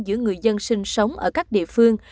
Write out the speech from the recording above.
giữa người dân sinh sống ở các địa phương